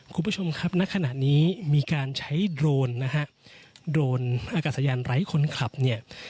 คุณผู้ชมครับณขณะนี้มีการใช้โดรนนะฮะโดรนอากาศยานไร้คนขับเนี่ย